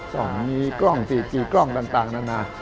กล้องมีกล้อง๔กล้องต่างนานา